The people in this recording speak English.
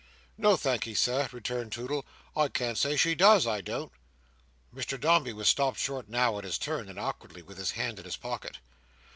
"No thank'ee, Sir," returned Toodle, "I can't say she does. I don't." Mr Dombey was stopped short now in his turn: and awkwardly: with his hand in his pocket.